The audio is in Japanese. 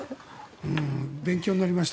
勉強になりました。